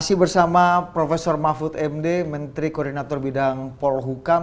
masih bersama prof mahfud md menteri koordinator bidang polhukam